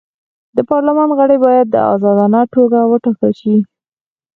د پارلمان غړي باید په ازادانه توګه وټاکل شي.